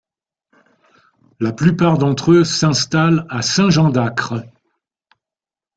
La plupart d’entre eux s'installent à Saint-Jean-d'Acre.